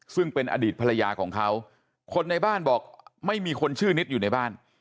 ซึ่งเป็นอดีตภรรยาของเขาคนในบ้านบอกไม่มีคนชื่อนิดอยู่ในบ้าน